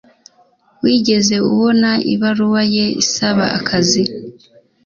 Wigeze ubona ibaruwa ye isaba akazi?